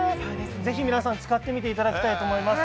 ぜひ皆さん、使ってみていただきたいと思います。